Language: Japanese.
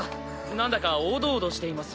なんだかおどおどしています。